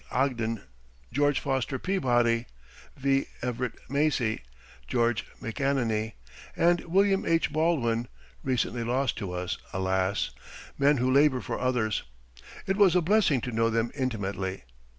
Ogden, George Foster Peabody, V. Everit Macy, George McAneny and William H. Baldwin recently lost to us, alas! men who labor for others. It was a blessing to know them intimately.